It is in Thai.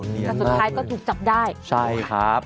แล้วสุดท้ายก็จุดจับได้ใช่ครับ